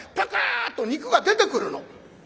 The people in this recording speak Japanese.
プクッと肉が出てくるの。